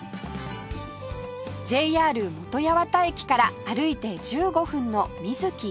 ＪＲ 本八幡駅から歩いて１５分の水木洋子邸